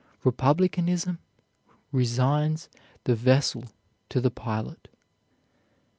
Republicanism resigns the vessel to the pilot."